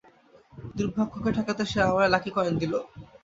দুর্ভাগ্যকে ঠেকাতে সে আমায় লাকি কয়েন দিল।